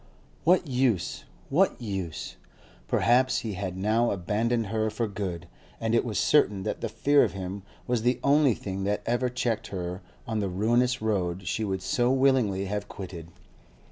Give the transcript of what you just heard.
What use? what use? Perhaps he had now abandoned her for good, and it was certain that the fear of him was the only thing that ever checked her on the ruinous road she would so willingly have quitted.